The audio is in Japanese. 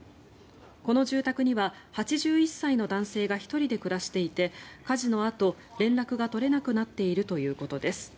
この住宅には８１歳の男性が１人で暮らしていて火事のあと連絡が取れなくなっているということです。